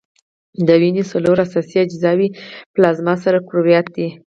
د وینې څلور اساسي اجزاوي پلازما، سره کرویات دي.